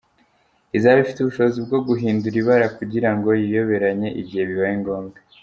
Izaba ifite ubushobozi bwo guhindura ibara kugira ngo yiyoberanye igihe bibaye ngombwa.